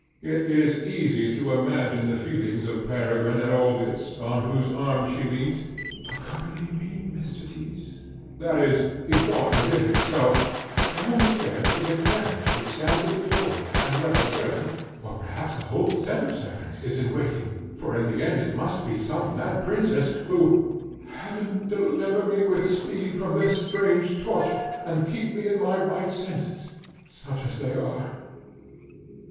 It is easy to imagine the feelings of Peregrine at all this, on whose arm she leant. "Accompany me, Mr. Tyss," that is, he thought within himself, down the stairs to the carriage which stands at the door, and where the servant, or perhaps a whole set of servants, is in waiting, for in the end it must be some mad princess, who Heaven deliver me with speed from this strange torture, and keep me in my right senses, such as they are!